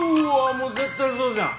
もう絶対そうじゃん。